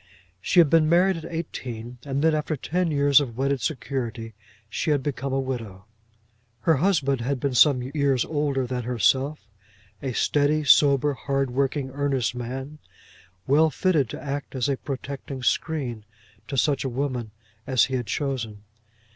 She had been married at eighteen, and then, after ten years of wedded security, she had become a widow. Her husband had been some years older than herself, a steady, sober, hardworking, earnest man, well fitted to act as a protecting screen to such a woman as he had chosen.